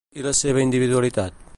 I la seva individualitat?